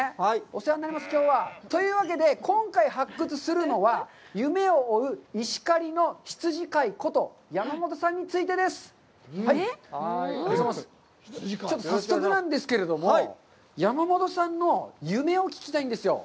お世話になります、きょうは。というわけで、今回発掘するのは、夢を追う石狩の羊飼いこと、山本さんについてです。早速なんですけれども、山本さんの夢を聞きたいんですよ。